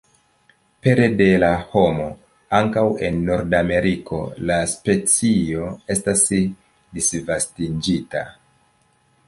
Pere de la homo, ankaŭ en Nordameriko la specio estas disvastiĝinta.